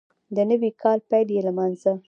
د نوي کال پیل یې لمانځه